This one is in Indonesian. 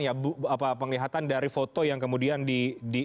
jadi ini masih berdasarkan penglihatan dari foto yang kemudian di penglihatkan